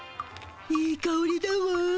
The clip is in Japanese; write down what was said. いいかおりだわ。